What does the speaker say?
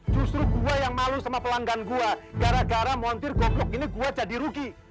justru gua yang malu sama pelanggan gue gara gara montir gogok ini gue jadi rugi